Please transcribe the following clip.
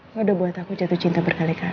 ini udah buat aku jatuh cinta berkali kali